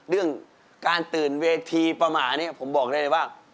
เรื่องการตื่นเวทีประมาณนี้ผมบอกได้เลยว่า